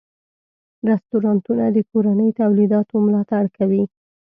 رستورانتونه د کورني تولیداتو ملاتړ کوي.